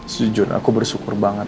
sejujurnya aku bersyukur banget